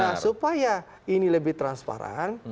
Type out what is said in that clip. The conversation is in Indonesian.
nah supaya ini lebih transparan